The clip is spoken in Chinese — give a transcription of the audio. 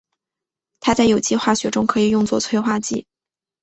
它在有机化学中可以用作催化剂。